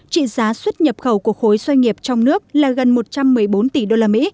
trị giá xuất nhập khẩu của khối doanh nghiệp trong nước là gần một trăm một mươi bốn tỷ usd